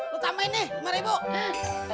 lo tambahin nih lima ribu